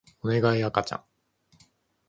おねがい赤ちゃん